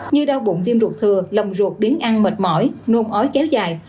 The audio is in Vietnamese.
như đau bụng viêm ruột thừa lòng ruột biến ăn mệt mỏi nuôn ói kéo dài